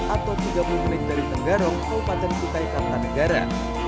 atau tiga puluh menit dari tenggarong keupatan kutai kartanegara